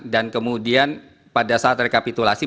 dan kemudian pada saat rekapitulasi